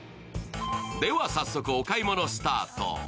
早速お買い物スタート。